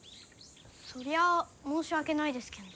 そりゃあ申し訳ないですけんど。